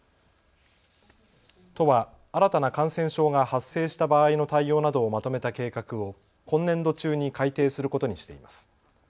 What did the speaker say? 都は新たな感染症が発生した場合の対応などをまとめた計画を今年度中に改定することにしています。